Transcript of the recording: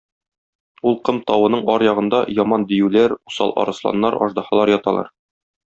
Ул ком тавының аръягында яман диюләр, усал арысланнар, аждаһалар яталар.